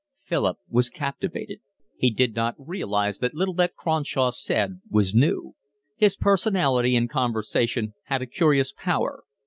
Philip was captivated. He did not realise that little that Cronshaw said was new. His personality in conversation had a curious power.